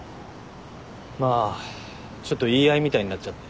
まあちょっと言い合いみたいになっちゃって。